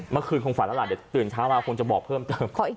เมื่อคืนคงฝันแล้วล่ะเดี๋ยวตื่นเช้ามาคงจะบอกเพิ่มเติม